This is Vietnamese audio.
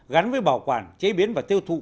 gắn với bảo quản chế biến và tiêu thụ